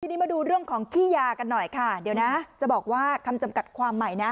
ทีนี้มาดูเรื่องของขี้ยากันหน่อยค่ะเดี๋ยวนะจะบอกว่าคำจำกัดความใหม่นะ